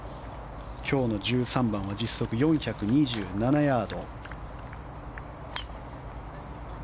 今日の１３番は実測４２７ヤード。